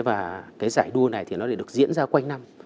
và giải đua này được diễn ra quanh năm